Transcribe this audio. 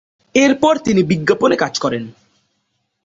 এরপর তিনি বিজ্ঞাপনে কাজ করেন।